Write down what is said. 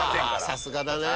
さすがだね。